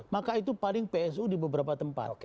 maka itu paling psu di beberapa tempat